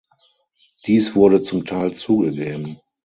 Dies wurde zum Teil zugegeben.